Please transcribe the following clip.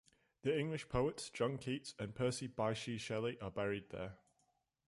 The English poets John Keats and Percy Bysshe Shelley are buried there.